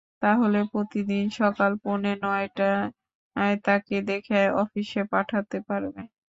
তাহলে প্রতিদিন সকাল পৌনে নয়টায় তাকে দেখে অফিসে পাঠাতে পারবে।